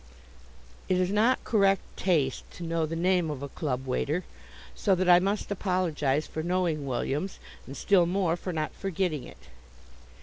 It is not correct taste to know the name of a club waiter, so that I must apologize for knowing William's and still more for not forgetting it.